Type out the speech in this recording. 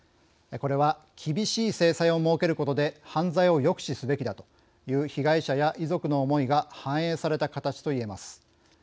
これは厳しい制裁を設けることで犯罪を抑止すべきだという被害者や遺族の思いが反映された形といえます。